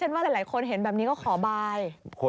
หนูยังมากินเลย